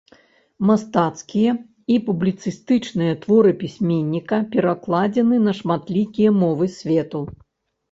Мастацкія і публіцыстычныя творы пісьменніка перакладзены на шматлікія мовы свету.